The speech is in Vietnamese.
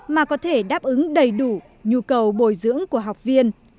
mà có thể đáp ứng đầy đủ nhu cầu bồi dưỡng của học viên